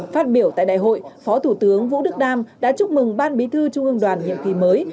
phát biểu tại đại hội phó thủ tướng vũ đức đam đã chúc mừng ban bí thư trung ương đoàn nhiệm kỳ mới